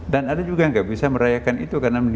dan ada juga yang tidak bisa merayakan itu karena di timur itu